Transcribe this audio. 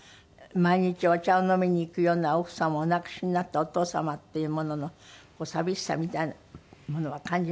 毎日お茶を飲みに行くような奥様をお亡くしになったお父様っていうものの寂しさみたいなものは感じました？